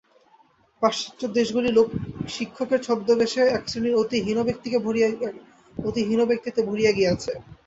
পাশ্চাত্য দেশগুলি লোক-শিক্ষকের ছদ্মবেশে একশ্রেণীর অতি হীন ব্যক্তিতে ভরিয়া গিয়াছে।